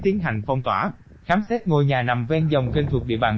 tiến hành phong tỏa khám xét ngôi nhà nằm ven dòng kênh thuộc địa bàn